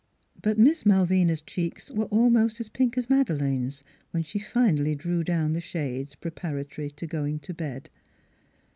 But Miss Malvina's cheeks were almost as pink as Madeleine's when she finally drew down the shades preparatory to going to bed.